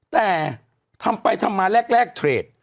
แต่ทำไปทำมาแรกเทรด